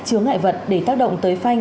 chứa ngại vật để tác động tới phanh